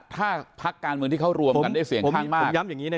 ถ้าพักการเมืองที่เขารวมกันได้เสียงข้างมาก